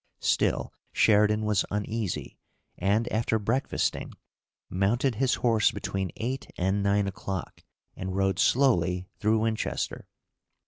Still Sheridan was uneasy, and, after breakfasting, mounted his horse between eight and nine o'clock, and rode slowly through Winchester.